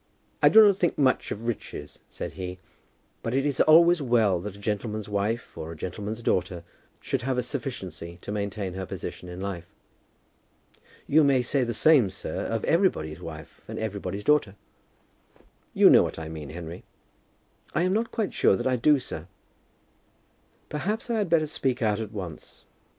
"I do not think much of riches," said he, "but it is always well that a gentleman's wife or a gentleman's daughter should have a sufficiency to maintain her position in life." "You may say the same, sir, of everybody's wife and everybody's daughter." "You know what I mean, Henry." "I am not quite sure that I do, sir." "Perhaps I had better speak out at once.